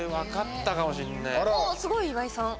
すごい岩井さん。